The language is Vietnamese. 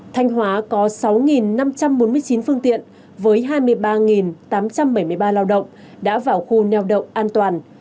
thành hóa có sáu năm trăm bốn mươi chín phương tiện với hai mươi ba tám trăm bảy mươi ba lao động đã vào khu nèo động an toàn